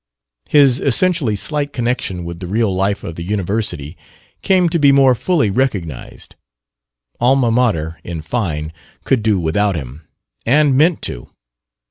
His essentially slight connection with the real life of the University came to be more fully recognized. Alma Mater, in fine, could do without him, and meant to.